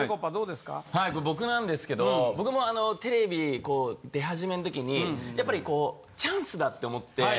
はい僕なんですけど僕もテレビ出始めの時にやっぱりこうチャンスだって思って。